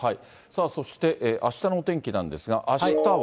そして、あしたのお天気なんですが、あしたは。